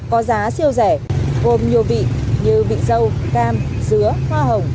có giá siêu rẻ gồm nhiều vị như vị dâu cam dứa hoa hồng